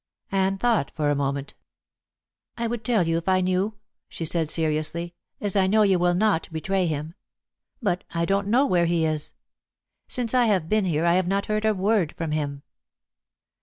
Anne thought for a moment. "I would tell you if I knew," she said seriously, "as I know you will not betray him. But I don't know where he is. Since I have been here I have not heard a word from him."